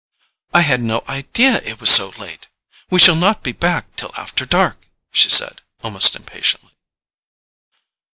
"I had no idea it was so late! We shall not be back till after dark," she said, almost impatiently.